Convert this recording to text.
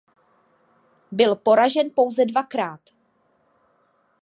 Byl poražen pouze dvakrát.